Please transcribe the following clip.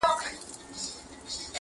تل دي ښاد وي پر دنیا چي دي دوستان وي؛